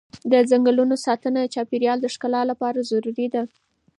د ځنګلونو ساتنه د چاپېر یال د ښکلا لپاره ضروري ده.